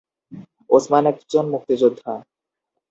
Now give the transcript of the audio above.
ওসমান একজন মুক্তিযোদ্ধা।